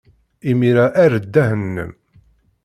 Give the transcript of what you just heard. Imir-a, err ddehn-nnem.